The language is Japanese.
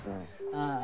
ああ。